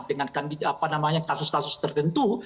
dengan kasus kasus tertentu